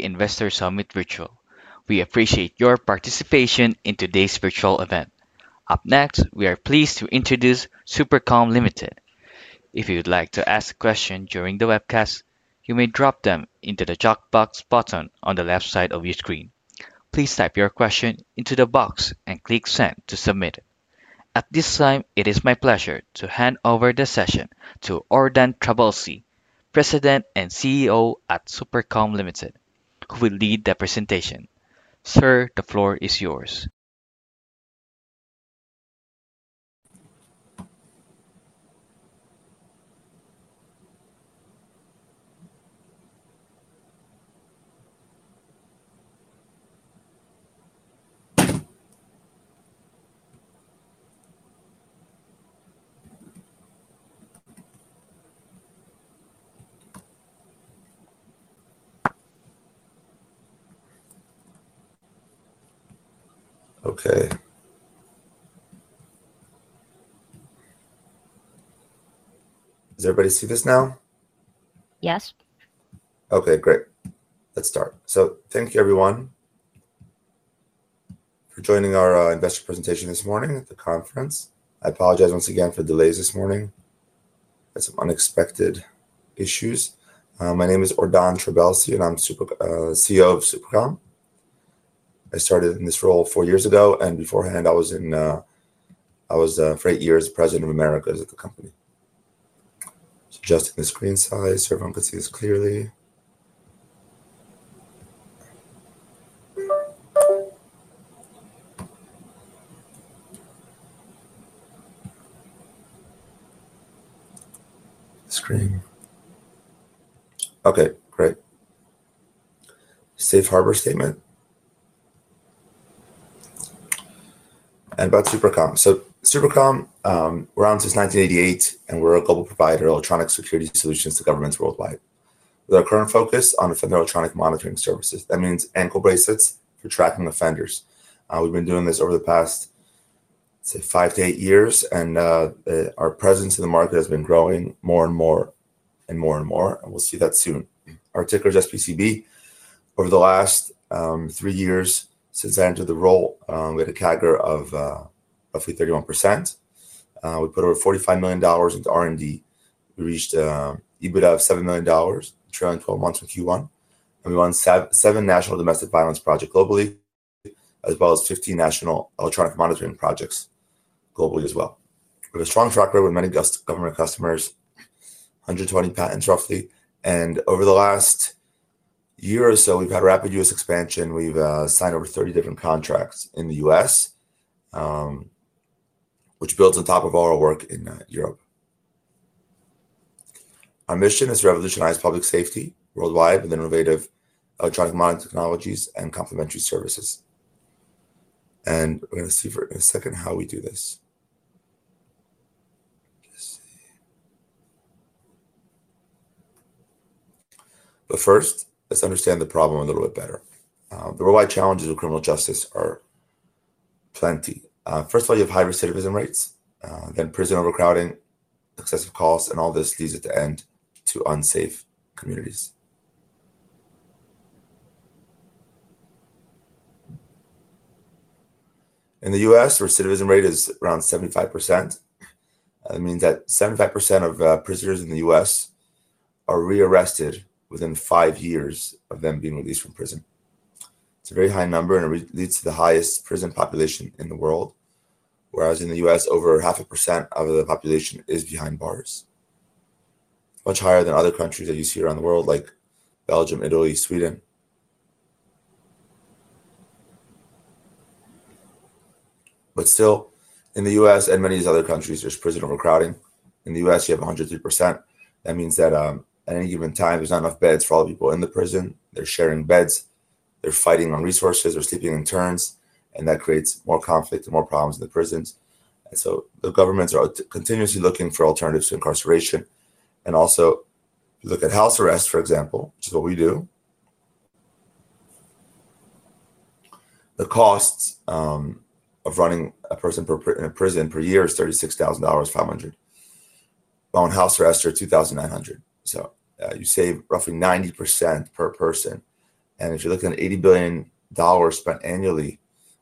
Good evening, investors from Mitvirtual. We appreciate your participation in today's virtual event. Up next, we are pleased to introduce SuperCom Limited. If you would like to ask a question during the webcast, you may drop them into the chat box button on the left side of your screen. Please type your question into the box and click "Send" to submit it. At this time, it is my pleasure to hand over the session to Ordan Trabelsi, President and CEO at SuperCom Limited, who will lead the presentation. Sir, the floor is yours. Okay, does everybody see this now? Yes. Okay, great. Let's start. Thank you, everyone, for joining our investor presentation this morning at the conference. I apologize once again for the delays this morning. I had some unexpected issues. My name is Ordan Trabelsi, and I'm CEO of SuperCom. I started in this role four years ago, and beforehand, I was for eight years the President of America of the company. Adjusting the screen size, so everyone can see this clearly. Screen. Okay, great. Safe harbor statement. About SuperCom. SuperCom, we've been around since 1988, and we're a global provider of electronic security solutions to governments worldwide, with our current focus on offender electronic monitoring services. That means ankle bracelets for tracking offenders. We've been doing this over the past, say, five to eight years, and our presence in the market has been growing more and more. We'll see that soon. Our ticker is SPCB. Over the last three years, since I entered the role, we had a CAGR of roughly 31%. We put over $45 million into R&D. We reached EBITDA of $7 million trailing 12 months for Q1. We run seven national domestic violence projects globally, as well as 15 national electronic monitoring projects globally as well. We have a strong track record with many government customers, 120 patents roughly. Over the last year or so, we've had rapid U.S. expansion. We've signed over 30 different contracts in the U.S., which builds on top of all our work in Europe. Our mission is to revolutionize public safety worldwide with innovative electronic monitoring technologies and complementary services. We're going to see for a second how we do this. First, let's understand the problem a little bit better. The worldwide challenges of criminal justice are plenty. First of all, you have high recidivism rates, then prison overcrowding, excessive costs, and all this leads at the end to unsafe communities. In the U.S., the recidivism rate is around 75%. That means that 75% of prisoners in the U.S. are rearrested within five years of them being released from prison. It's a very high number, and it leads to the highest prison population in the world, whereas in the U.S., over 0.5% of the population is behind bars. Much higher than other countries that you see around the world, like Belgium, Italy, Sweden. Still, in the U.S. and many of these other countries, there's prison overcrowding. In the U.S., you have 103%. That means that at any given time, there's not enough beds for all the people in the prison. They're sharing beds. They're fighting on resources. They're sleeping in turns. That creates more conflict and more problems in the prisons. The governments are continuously looking for alternatives to incarceration. Also, look at house arrests, for example, which is what we do. The costs of running a person in a prison per year are $36,500, while in house arrest, they're $2,900. You save roughly 90% per person. If you look at $80 billion spent annually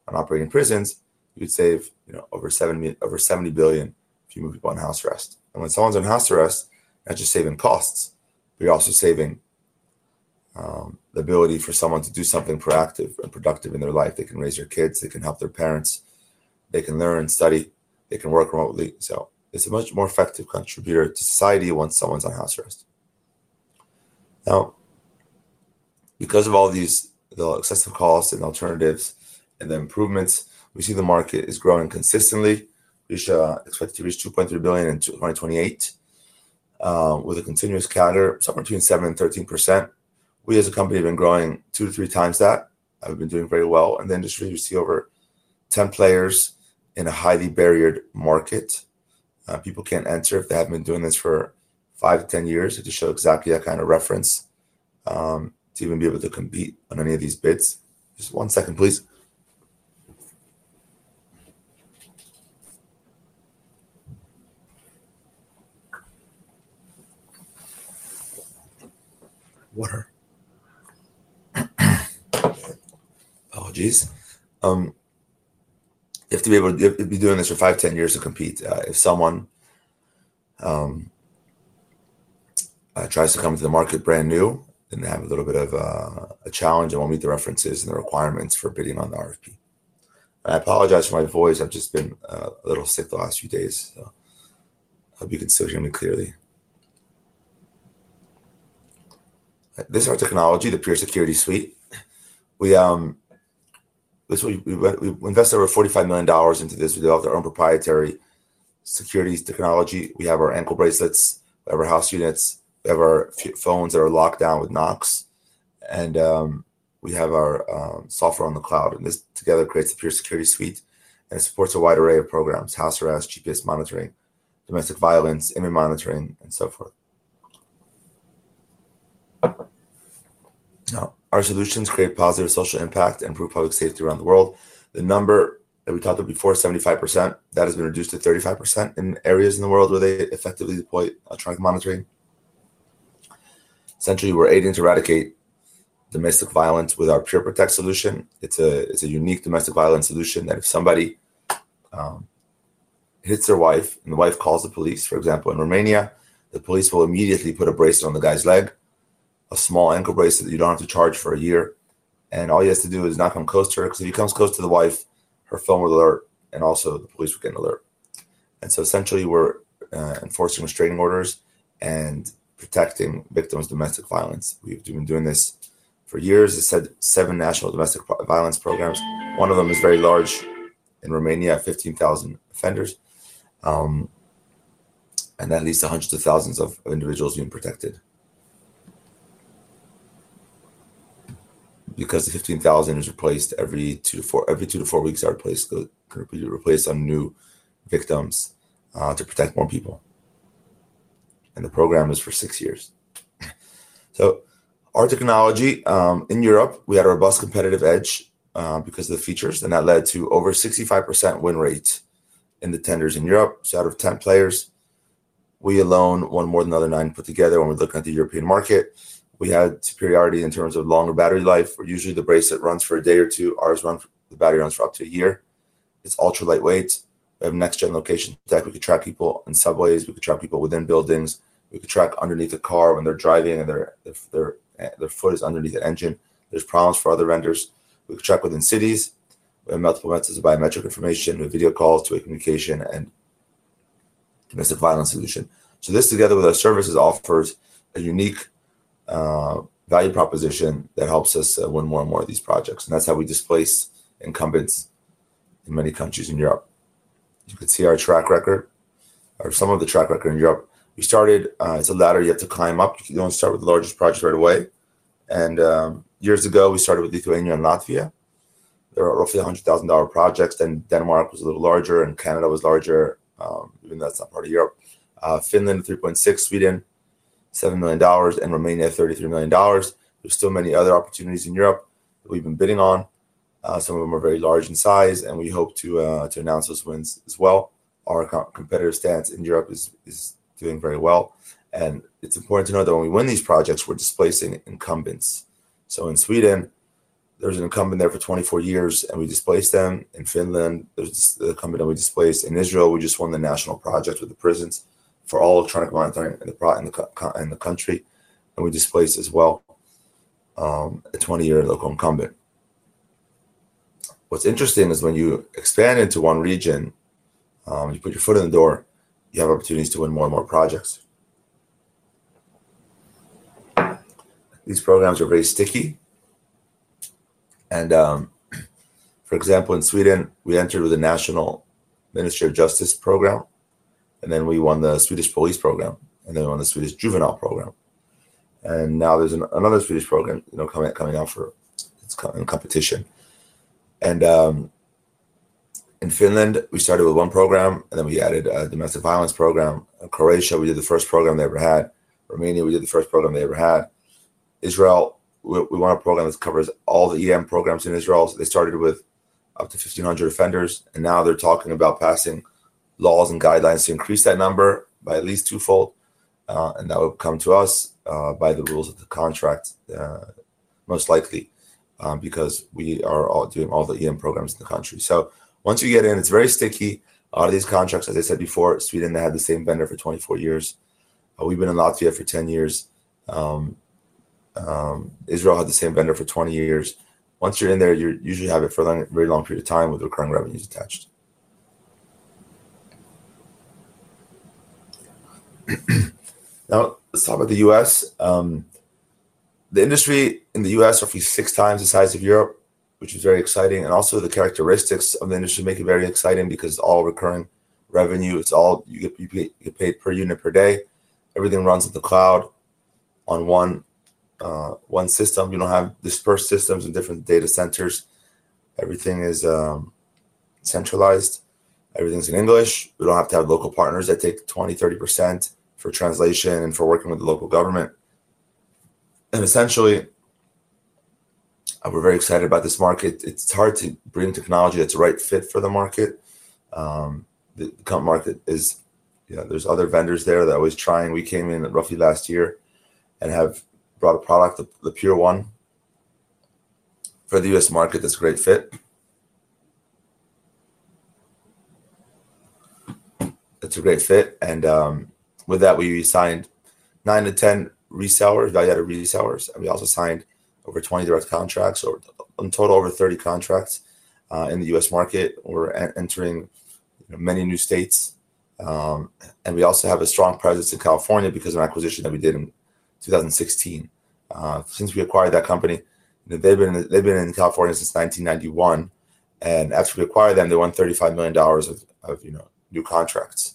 on operating prisons, you would save over $70 billion if you move people in house arrest. When someone's in house arrest, not just saving costs, you're also saving the ability for someone to do something proactive and productive in their life. They can raise their kids. They can help their parents. They can learn and study. They can work remotely. It's a much more effective contributor to society once someone's in house arrest. Now, because of all these, the excessive costs and alternatives and the improvements, we see the market is growing consistently. We expect to reach $2.3 billion in 2028 with a continuous CAGR of between 7% and 13%. We as a company have been growing two to three times that. We've been doing very well in the industry. You see over 10 players in a highly barriered market. People can't answer if they haven't been doing this for five to ten years. I just showed exactly that kind of reference to even be able to compete on any of these bids. Just one second, please. Apologies. You have to be able to be doing this for five to ten years to compete. If someone tries to come into the market brand new, then they have a little bit of a challenge and won't meet the references and the requirements for bidding on the RFP. I apologize for my voice. I've just been a little sick the last few days. Hope you can still hear me clearly. This is our technology, the PureSecurity Suite. We invested over $45 million into this. We developed our own proprietary securities technology. We have our ankle bracelets. We have our house units. We have our phones that are locked down with Knox. We have our software on the cloud. This together creates the PureSecurity Suite and supports a wide array of programs: house arrest, GPS monitoring, domestic violence, inmate monitoring, and so forth. Our solutions create positive social impact and improve public safety around the world. The number that we talked about before, 75%, that has been reduced to 35% in areas in the world where they effectively deploy electronic monitoring. Essentially, we're aiding to eradicate domestic violence with our PureProtect solution. It's a unique domestic violence solution that if somebody hits their wife and the wife calls the police, for example, in Romania, the police will immediately put a bracelet on the guy's leg, a small ankle bracelet that you don't have to charge for a year. All he has to do is not come close to her. If he comes close to the wife, her phone will alert and also the police will get an alert. Essentially, we're enforcing restraining orders and protecting victims of domestic violence. We've been doing this for years. It's had seven national domestic violence programs. One of them is very large in Romania, $15,000 offenders, and at least hundreds of thousands of individuals being protected. The $15,000 is replaced every two to four weeks, we replace some new victims to protect more people. The program is for six years. Our technology in Europe, we had a robust competitive edge because of the features, and that led to over 65% win rate in the tenders in Europe. Out of 10 players, we alone won more than the other nine put together. When we look at the European market, we had superiority in terms of longer battery life. Usually, the bracelet runs for a day or two. Our battery runs for up to a year. It's ultra lightweight. We have next-gen location tech. We can track people on subways. We can track people within buildings. We can track underneath a car when they're driving and their foot is underneath the engine. There are problems for other vendors. We can track within cities. We have multiple methods of biometric information, video calls, two-way communication, and domestic violence solution. This together with our services offers a unique value proposition that helps us win more and more of these projects. That's how we displace incumbents in many countries in Europe. You can see our track record or some of the track record in Europe. We started... It's a ladder you have to climb up. You don't start with the largest projects right away. Years ago, we started with Lithuania and Latvia. There were roughly $100,000 projects. Denmark was a little larger and Canada was larger, even though that's not part of Europe. Finland, $3.6 million; Sweden, $7 million; and Romania, $33 million. There are still many other opportunities in Europe that we've been bidding on. Some of them are very large in size, and we hope to announce those wins as well. Our competitive stance in Europe is doing very well. It's important to know that when we win these projects, we're displacing incumbents. In Sweden, there's an incumbent there for 24 years, and we displaced them. In Finland, there's an incumbent that we displaced. In Israel, we just won the national project with the prisons for all electronic monitoring in the country, and we displaced as well a 20-year local incumbent. What's interesting is when you expand into one region, you put your foot in the door, you have opportunities to win more and more projects. These programs are very sticky. For example, in Sweden, we entered with the National Ministry of Justice program, then we won the Swedish Police program, and then we won the Swedish Juvenile program. Now there's another Swedish program coming up for competition. In Finland, we started with one program, and then we added a domestic violence program. In Croatia, we did the first program they ever had. In Romania, we did the first program they ever had. In Israel, we won a program that covers all the EM programs in Israel. They started with up to 1,500 offenders, and now they're talking about passing laws and guidelines to increase that number by at least twofold. That will come to us by the rules of the contract, most likely, because we are doing all the EM programs in the country. Once you get in, it's very sticky. These contracts, as I said before, Sweden had the same vendor for 24 years. We've been in Latvia for 10 years. Israel had the same vendor for 20 years. Once you're in there, you usually have it for a very long period of time with recurring revenues attached. Now, let's talk about the U.S. The industry in the U.S. is roughly six times the size of Europe, which is very exciting. Also, the characteristics of the industry make it very exciting because it's all recurring revenue. It's all you get paid per unit per day. Everything runs on the cloud on one system. You don't have dispersed systems in different data centers. Everything is centralized. Everything's in English. We don't have to have local partners that take 20% or 30% for translation and for working with the local government. Essentially, we're very excited about this market. It's hard to bring technology that's the right fit for the market. The market is, you know, there are other vendors there that are always trying. We came in roughly last year and have brought a product, the PureOne, for the U.S. market that's a great fit. That's a great fit. With that, we signed nine to ten resellers, value-added resellers, and we also signed over 20 direct contracts, so in total, over 30 contracts in the U.S. market. We're entering many new states. We also have a strong presence in California because of an acquisition that we did in 2016. Since we acquired that company, they've been in California since 1991. After we acquired them, they won $35 million of new contracts.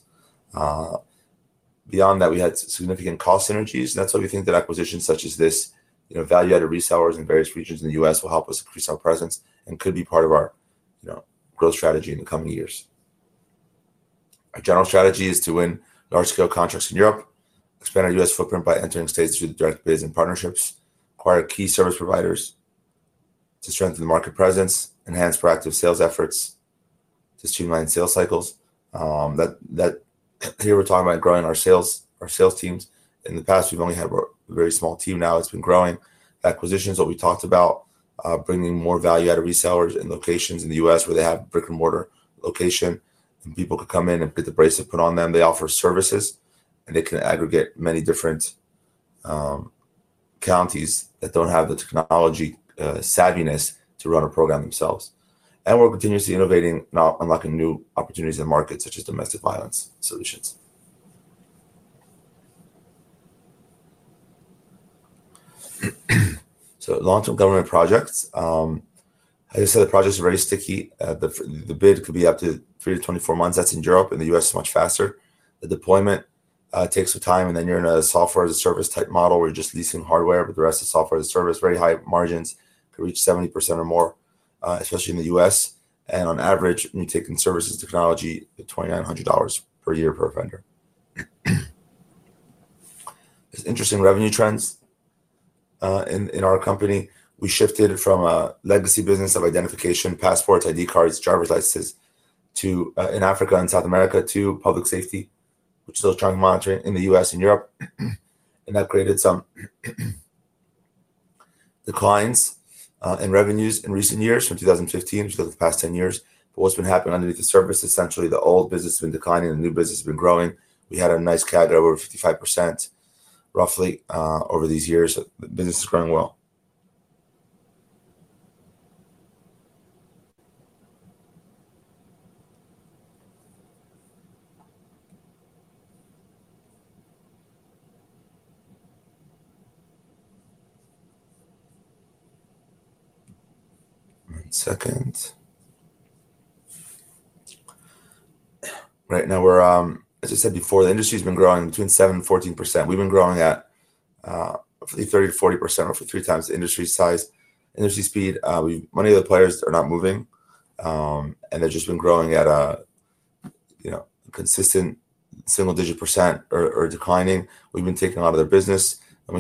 Beyond that, we had significant cost synergies. That's why we think that acquisitions such as this, you know, value-added resellers in various regions in the U.S. will help us increase our presence and could be part of our, you know, growth strategy in the coming years. Our general strategy is to win large-scale contracts in Europe, expand our U.S. footprint by entering states through the direct bids and partnerships, acquire key service providers to strengthen the market presence, enhance proactive sales efforts to streamline sales cycles. Here we're talking about growing our sales, our sales teams. In the past, we've only had a very small team. Now it's been growing. Acquisition is what we talked about, bringing more value-added resellers in locations in the U.S. where they have brick-and-mortar location and people could come in and bid the bracelet put on them. They offer services and they can aggregate many different counties that don't have the technology savviness to run a program themselves. We're continuously innovating now, unlocking new opportunities in the market such as domestic violence solutions. Long-term government projects, as I said, the projects are very sticky. The bid could be up to 3 to 24 months. That's in Europe. In the U.S., it's much faster. The deployment takes some time. Then you're in a software as a service type model where you're just leasing hardware, but the rest is software as a service. Very high margins. It could reach 70% or more, especially in the U.S. On average, you're taking services technology at $2,900 per year per offender. There are interesting revenue trends in our company. We shifted from a legacy business of identification, passports, ID cards, driver's licenses in Africa and South America to public safety, which is electronic monitoring in the U.S. and Europe. That created some declines in revenues in recent years, from 2015 to the past 10 years. What's been happening underneath the surface is essentially the old business has been declining and the new business has been growing. We had a nice CAGR of over 55% roughly over these years. The business is growing well. Right now, we're, as I said before, the industry's been growing between 7% and 14%. We've been growing at roughly 30% to 40%, roughly three times the industry speed. Many of the players are not moving, and they've just been growing at a consistent single-digit % or declining. We've been taking a lot of their business. In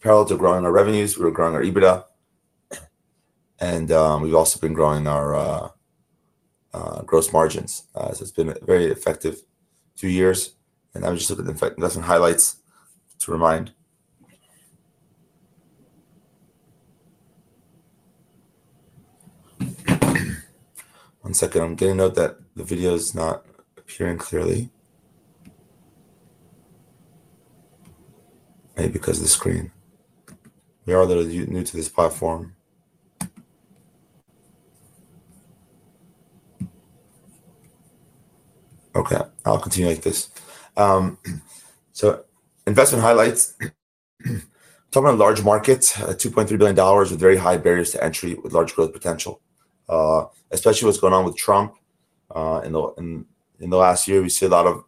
parallel to growing our revenues, we're growing our EBITDA. We've also been growing our gross margins. It's been a very effective two years. I would just look at the investment highlights to remind. I'm getting a note that the video is not appearing clearly. I think because of the screen. You're all new to this platform. I'll continue like this. Investment highlights. Talking about large markets, $2.3 billion with very high barriers to entry with large growth potential, especially what's going on with Trump. In the last year, we see a lot of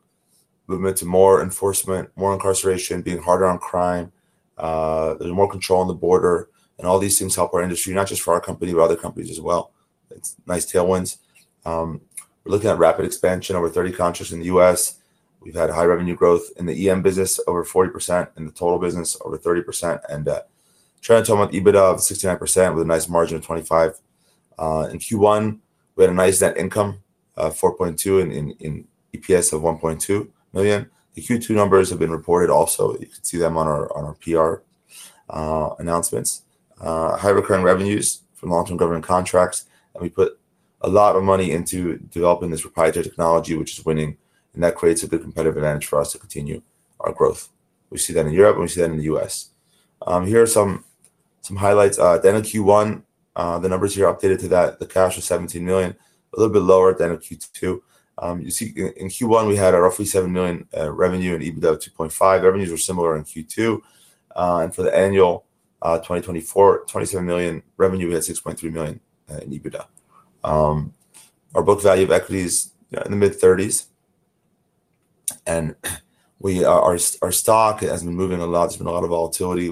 movement to more enforcement, more incarceration, being harder on crime. There's more control on the border. All these things help our industry, not just for our company, but other companies as well. It's nice tailwinds. We're looking at rapid expansion over 30 countries in the U.S. We've had high revenue growth in the electronic monitoring business, over 40%, in the total business, over 30%, and at the turn of time with EBITDA of 69% with a nice margin of 25%. In Q1, we had a nice net income of $4.2 million and an EPS of $1.2 million. The Q2 numbers have been reported also. You can see them on our PR announcements. High recurring revenues from long-term government contracts. We put a lot of money into developing this proprietary technology, which is winning. That creates a good competitive advantage for us to continue our growth. We see that in Europe, and we see that in the U.S. Here are some highlights. At the end of Q1, the numbers here are updated to that. The cash was $17 million, a little bit lower at the end of Q2. You see in Q1, we had roughly $7 million revenue and EBITDA of $2.5 million. Revenues were similar in Q2. For the annual 2024, $27 million revenue, we had $6.3 million in EBITDA. Our book value of equity is in the mid-$30 million range. Our stock has been moving a lot. There's been a lot of volatility.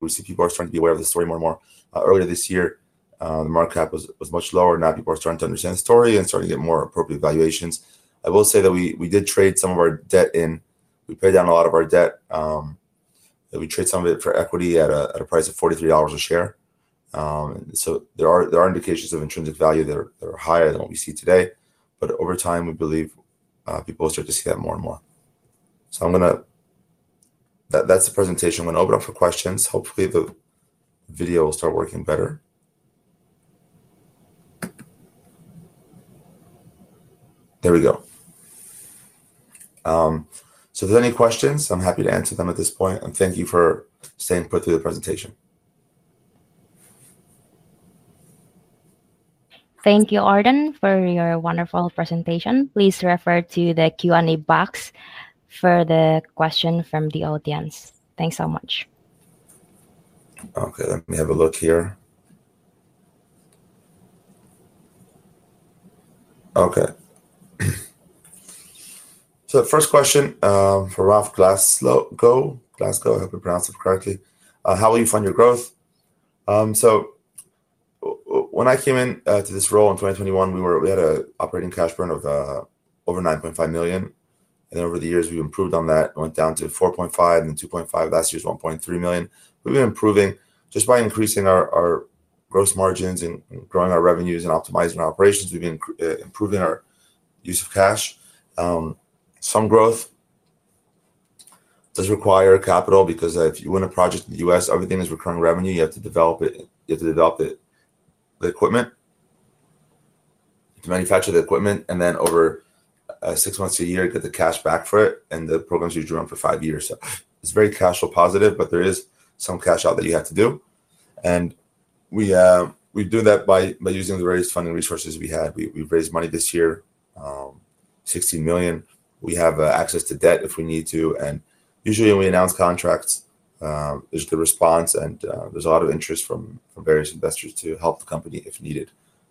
We see people are starting to be aware of the story more and more. Earlier this year, the market cap was much lower. Now people are starting to understand the story and starting to get more appropriate valuations. I will say that we did trade some of our debt in. We paid down a lot of our debt. We traded some of it for equity at a price of $43 per share. There are indications of intrinsic value that are higher than what we see today. Over time, we believe people will start to see that more and more. That's the presentation. I'm going to open up for questions. Hopefully, the video will start working better. There we go. If there's any questions, I'm happy to answer them at this point. Thank you for staying put through the presentation. Thank you, Ordan, for your wonderful presentation. Please refer to the Q&A box for the question from the audience. Thanks so much. Okay, let me have a look here. Okay. First question for Ralph Glasgow. Glasgow, I hope I pronounced it correctly. How will you fund your growth? When I came into this role in 2021, we had an operating cash burn of over $9.5 million. Over the years, we improved on that and went down to $4.5 million and then $2.5 million. Last year's $1.3 million. We've been improving just by increasing our gross margins and growing our revenues and optimizing our operations. We've been improving our use of cash. Some growth does require capital because if you win a project in the U.S., everything is recurring revenue. You have to develop it. You have to develop the equipment, to manufacture the equipment, and then over six months to a year, get the cash back for it. The programs you draw on for five years. It is very cashflow positive, but there is some cash out that you have to do. We do that by using the various funding resources we had. We've raised money this year, $60 million. We have access to debt if we need to. Usually, when we announce contracts, there's a good response and there's a lot of interest from various investors to help the company if needed.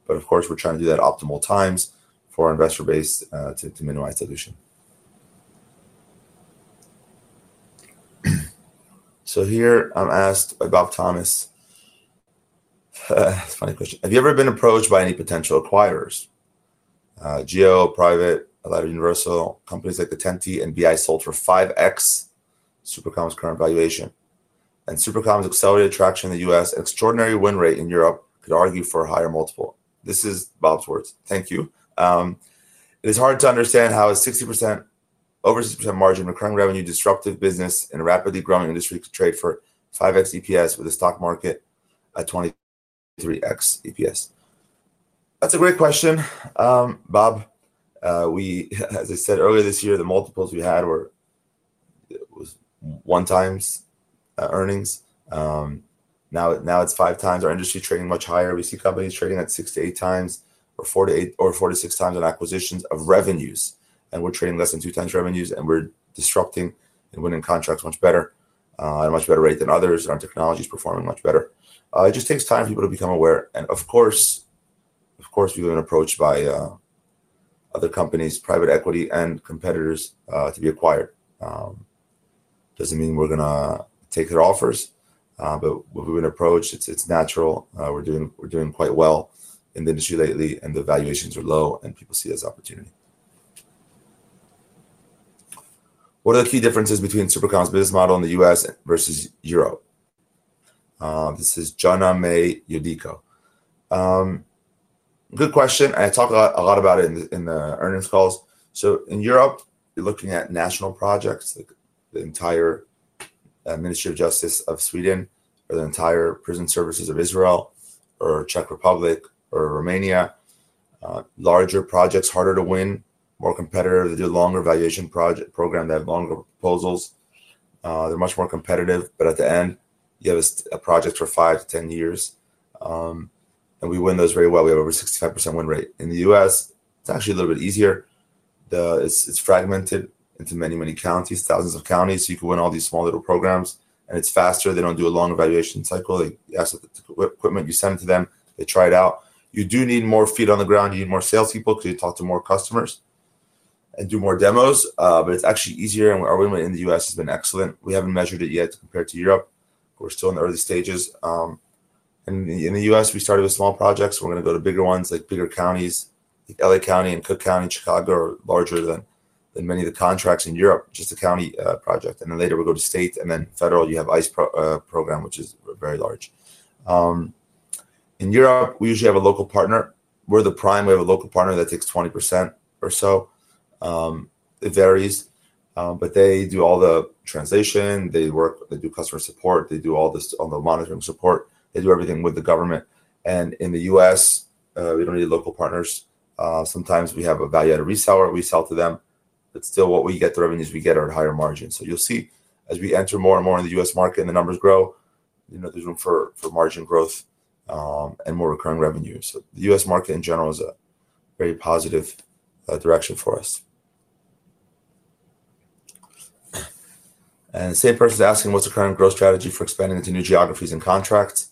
Of course, we're trying to do that at optimal times for our investor base to minimize dilution. Here I'm asked by Bob Thomas. Funny question. Have you ever been approached by any potential acquirers? GEO, Private, Avatar Universal, companies like the Tentee and BI sold for 5X SuperCom's current valuation. SuperCom's accelerated traction in the U.S., extraordinary win rate in Europe could argue for a higher multiple. This is Bob's words. Thank you. It is hard to understand how a 60%, over 60% margin recurring revenue disruptive business in a rapidly growing industry could trade for 5X EPS with a stock market at 23X EPS. That's a great question, Bob. As I said earlier this year, the multiples we had were one-times earnings. Now it's five times. Our industry is trading much higher. We see companies trading at six to eight times or four to six times on acquisitions of revenues. We're trading less than two times revenues and we're disrupting and winning contracts at a much better rate than others. Our technology is performing much better. It just takes time for people to become aware. Of course, we've been approached by other companies, private equity, and competitors to be acquired. It doesn't mean we're going to take their offers, but we've been approached. It's natural. We're doing quite well in the industry lately and the valuations are low and people see this opportunity. What are the key differences between SuperCom's business model in the U.S. versus Europe? This is John A. May Yediko. Good question. I talk a lot about it in the earnings calls. In Europe, you're looking at national projects like the entire Ministry of Justice of Sweden or the entire Prison Services of Israel or Czech Republic or Romania. Larger projects, harder to win, more competitive to do longer evaluation programs, longer proposals. They're much more competitive, but at the end, you have a project for five to ten years. We win those very well. We have over 65% win rate. In the U.S., it's actually a little bit easier. It's fragmented into many, many counties, thousands of counties. You can win all these small little programs and it's faster. They don't do a long evaluation cycle. They ask the equipment, you send to them. They try it out. You do need more feet on the ground. You need more salespeople to talk to more customers and do more demos, but it's actually easier. Our win rate in the U.S. has been excellent. We haven't measured it yet compared to Europe. We're still in the early stages. In the U.S., we started with small projects. We're going to go to bigger ones like bigger counties. I think L.A. County and Cook County, Chicago, are larger than many of the contracts in Europe, just a county project. Later we go to state and then federal. You have ICE program, which is very large. In Europe, we usually have a local partner. We're the prime. We have a local partner that takes 20% or so. It varies, but they do all the translation. They work, they do customer support. They do all the monitoring support. They do everything with the government. In the U.S., we don't need local partners. Sometimes we have a value-added reseller we sell to them, but still what we get, the revenues we get are at higher margins. You'll see as we enter more and more in the U.S. market and the numbers grow, you know there's room for margin growth and more recurring revenue. The U.S. market in general is a very positive direction for us. The same person is asking, what's the current growth strategy for expanding into new geographies and contracts?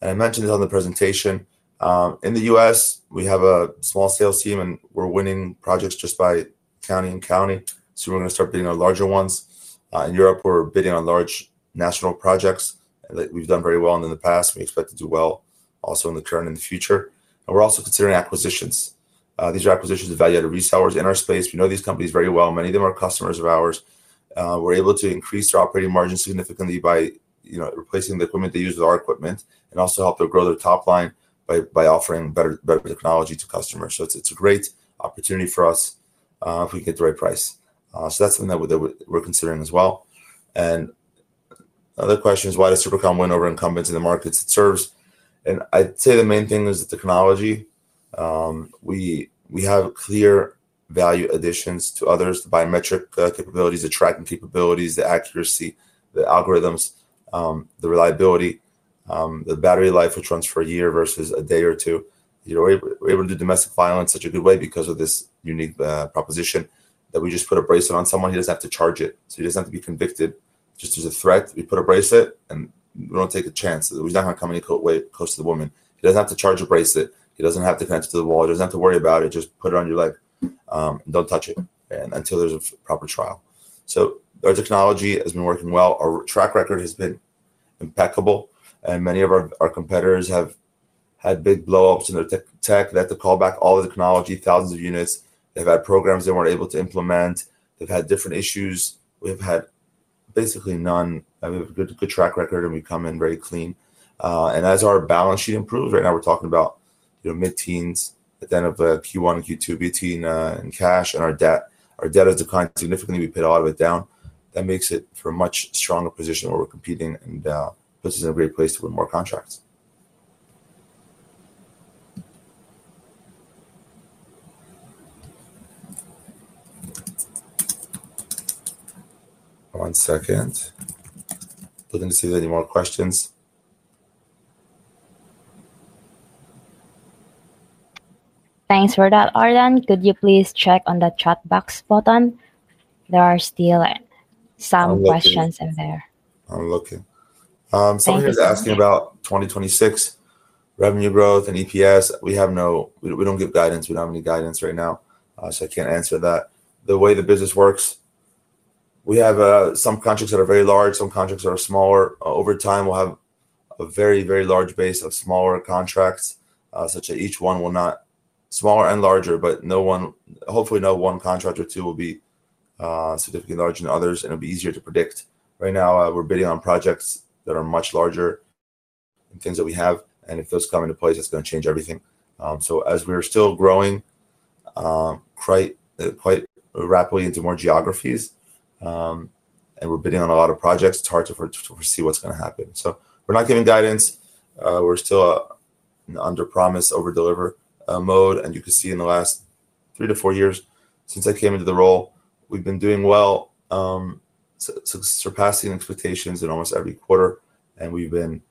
I mentioned this on the presentation. In the U.S., we have a small sales team and we're winning projects just by county and county. We're going to start bidding on larger ones. In Europe, we're bidding on large national projects that we've done very well in the past, and we expect to do well also in the current and the future. We're also considering acquisitions. These are acquisitions of value-added resellers in our space. We know these companies very well. Many of them are customers of ours. We're able to increase their operating margins significantly by replacing the equipment they use with our equipment and also help them grow their top line by offering better technology to customers. It's a great opportunity for us if we can get the right price. That's something that we're considering as well. Another question is why does SuperCom win over incumbents in the markets it serves? I'd say the main thing is the technology. We have clear value additions to others, the biometric capabilities, the tracking capabilities, the accuracy, the algorithms, the reliability, the battery life, which runs for a year versus a day or two. We're able to do domestic violence in such a good way because of this unique proposition that we just put a bracelet on someone. He doesn't have to charge it. He doesn't have to be convicted. Just as a threat, we put a bracelet and we don't take a chance. We don't have a company that goes to the woman. He doesn't have to charge a bracelet. He doesn't have to connect it to the wall. He doesn't have to worry about it. Just put it on your leg and don't touch it until there's a proper trial. Our technology has been working well. Our track record has been impeccable. Many of our competitors have had big blow-ups in their tech. They had to call back all the technology, thousands of units. They've had programs they weren't able to implement. They've had different issues. We have had basically none. We have a good track record and we come in very clean. As our balance sheet improves, right now we're talking about mid-teens at the end of Q1 and Q2, between cash and our debt. Our debt has declined significantly. We paid all of it down. That makes it for a much stronger position where we're competing, and this is a great place to win more contracts. One second. I don't see any more questions. Thanks, Ordan. Could you please check on the chat box button? There are still some questions in there. I'm looking. Somebody is asking about 2026 revenue growth and EPS. We have no, we don't give guidance. We don't have any guidance right now. I can't answer that. The way the business works, we have some contracts that are very large, some contracts that are smaller. Over time, we'll have a very, very large base of smaller contracts, such that each one will not, smaller and larger, but no one, hopefully no one contract or two will be significantly larger than others, and it'll be easier to predict. Right now, we're bidding on projects that are much larger than things that we have, and if those come into play, that's going to change everything. As we're still growing quite rapidly into more geographies and we're bidding on a lot of projects, it's hard to foresee what's going to happen. We're not giving guidance. We're still under promise, over-deliver mode. You can see in the last three to four years since I came into the role, we've been doing well, surpassing expectations in almost every quarter. We've been,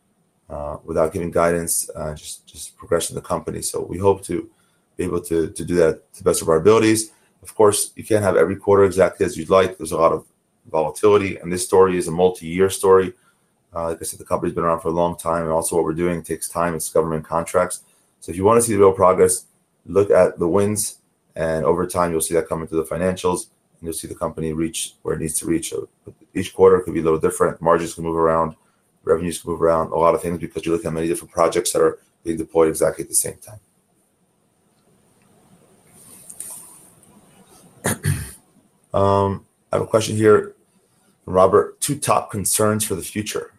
without giving guidance, just progressing the company. We hope to be able to do that to the best of our abilities. Of course, you can't have every quarter exactly as you'd like. There's a lot of volatility. This story is a multi-year story. Like I said, the company's been around for a long time, and also what we're doing takes time. It's government contracts. If you want to see the real progress, look at the wins, and over time, you'll see that come into the financials, and you'll see the company reach where it needs to reach. Each quarter could be a little different. Margins can move around, revenues can move around, a lot of things, because you're looking at many different projects that are being deployed exactly at the same time. I have a question here from Robert. Two top concerns for the future.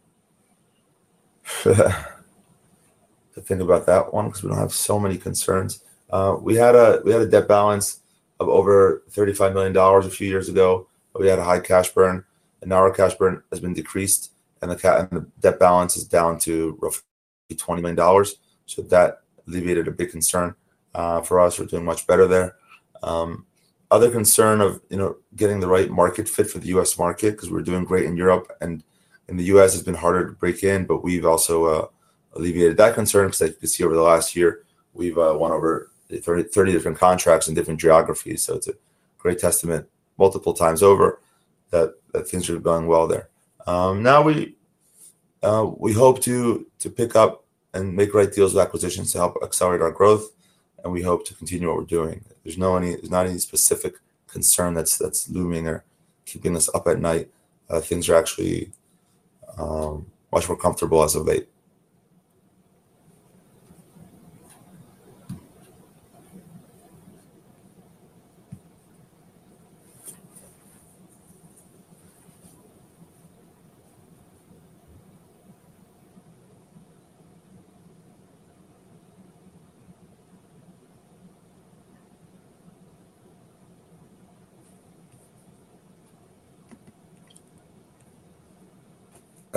I think about that one because we don't have so many concerns. We had a debt balance of over $35 million a few years ago, but we had a high cash burn, and now our cash burn has been decreased, and the debt balance is down to roughly $20 million. That alleviated a big concern for us. We're doing much better there. Other concern of getting the right market fit for the U.S. market because we're doing great in Europe, and in the U.S., it's been harder to break in, but we've also alleviated that concern because you can see over the last year, we've won over 30 different contracts in different geographies. It's a great testament multiple times over that things are going well there. We hope to pick up and make right deals with acquisitions to help accelerate our growth, and we hope to continue what we're doing. There's not any specific concern that's looming or keeping us up at night. Things are actually much more comfortable as of late.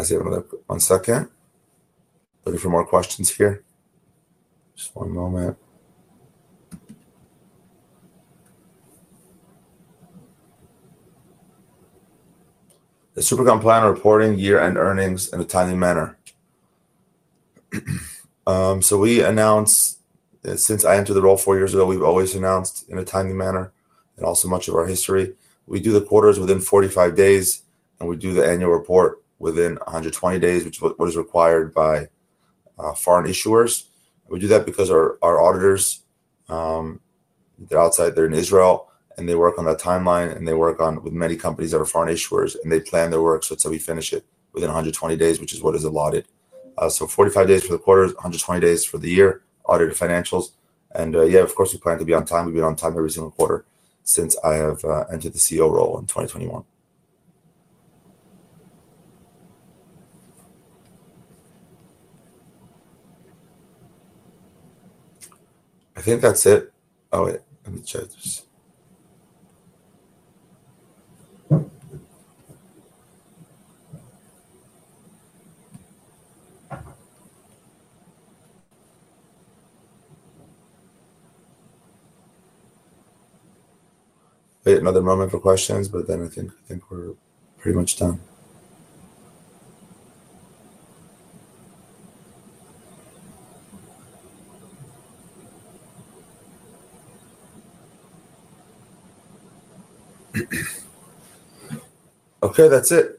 I see it. One second. Looking for more questions here. Just one moment. The SuperCom plan reporting year-end earnings in a timely manner. We announce that since I entered the role four years ago, we've always announced in a timely manner and also much of our history. We do the quarters within 45 days, and we do the annual report within 120 days, which is what is required by foreign issuers. We do that because our auditors, they're outside, they're in Israel, and they work on that timeline, and they work with many companies that are foreign issuers, and they plan their work so that we finish it within 120 days, which is what is allotted. Forty-five days for the quarter, 120 days for the year, audit of financials. Of course, we plan to be on time. We've been on time every single quarter since I have entered the CEO role in 2021. I think that's it. Oh, wait, let me check this. Wait another moment for questions, but then I think we're pretty much done. That's it.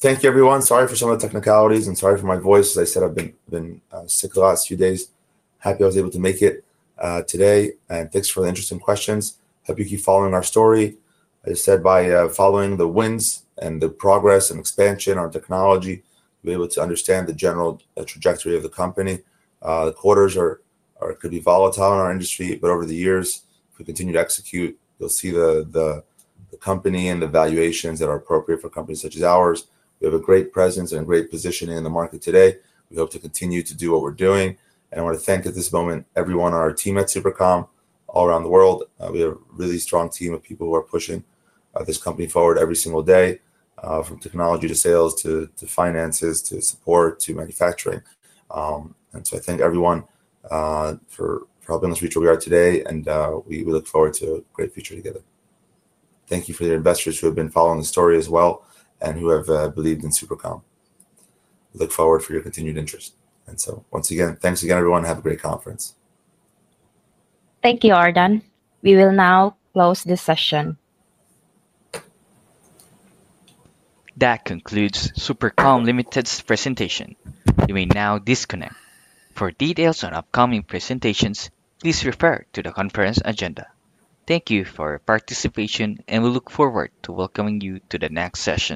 Thank you, everyone. Sorry for some of the technicalities and sorry for my voice. As I said, I've been sick the last few days. Happy I was able to make it today, and thanks for the interesting questions. Hope you keep following our story. As I said, by following the wins and the progress and expansion on technology, we'll be able to understand the general trajectory of the company. The quarters could be volatile in our industry, but over the years, if we continue to execute, you'll see the company and the valuations that are appropriate for companies such as ours. We have a great presence and a great positioning in the market today. We hope to continue to do what we're doing. I want to thank at this moment everyone on our team at SuperCom all around the world. We have a really strong team of people who are pushing this company forward every single day, from technology to sales to finances to support to manufacturing. I thank everyone for helping us reach where we are today, and we look forward to a great future together. Thank you for your investors who have been following the story as well and who have believed in SuperCom. We look forward to your continued interest. Once again, thanks again, everyone. Have a great conference. Thank you, Ordan. We will now close this session. That concludes SuperCom Limited's presentation. You may now disconnect. For details on upcoming presentations, please refer to the conference agenda. Thank you for your participation, and we look forward to welcoming you to the next session.